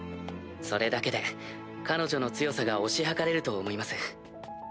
それだけで彼女の強さが推し量れると思います。